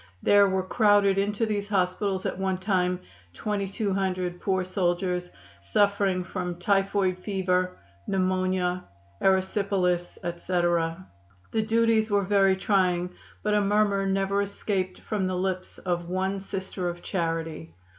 There were crowded into these hospitals at one time 2200 poor soldiers, suffering from typhoid fever, pneumonia, erysipelas, etc. The duties were very trying, but a murmur never escaped from the lips of one Sister of Charity.